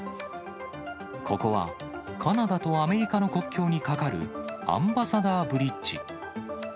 ここは、カナダとアメリカの国境に架かるアンバサダーブリッジ。